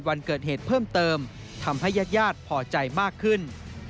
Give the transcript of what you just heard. วันเกิดเหตุเพิ่มเติมทำให้ญาติญาติพอใจมากขึ้น